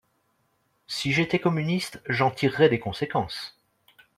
Si j’étais communiste, j’en tirerais des conséquences.